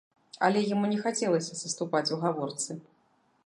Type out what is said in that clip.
Але яму не хацелася саступаць у гаворцы.